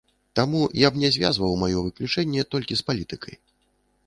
Таму я б не звязваў маё выключэнне толькі з палітыкай.